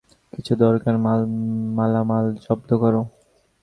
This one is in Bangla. কিছু দরকারি মালামাল জব্দ কর।